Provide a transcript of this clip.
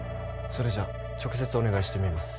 それじゃ直接お願いしてみます。